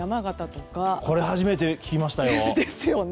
初めて聞きましたよ。